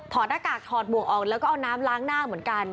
หน้ากากถอดหมวกออกแล้วก็เอาน้ำล้างหน้าเหมือนกัน